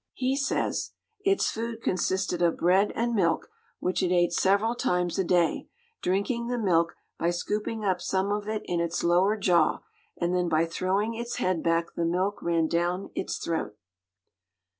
He says: "Its food consisted of bread and milk, which it ate several times a day, drinking the milk by scooping up some of it in its lower jaw, and then by throwing its head back the milk ran down its throat."